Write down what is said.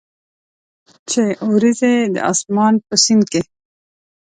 چې اوریځي د اسمان په سیند کې،